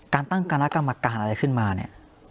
ตั้งคณะกรรมการอะไรขึ้นมาเนี่ย